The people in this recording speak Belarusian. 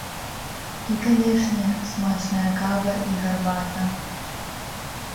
І канешне, смачная кава і гарбата!